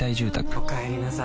おかえりなさい。